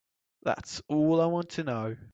That's all I want to know.